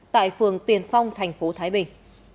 tại phường tiền phong tp thái bình